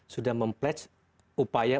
sudah mem pledge upaya